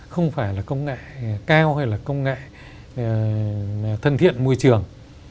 không phải là công nghệ cao hay là công nghệ thân thiện môi trường